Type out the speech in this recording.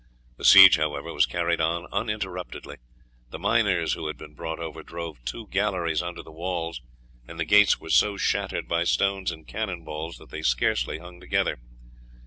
The siege, however, was carried on uninterruptedly. The miners who had been brought over drove two galleries under the walls, and the gates were so shattered by stones and cannon balls that they scarce hung together.